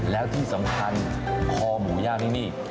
แล้วที่สำคัญคอหมูย่างที่นี่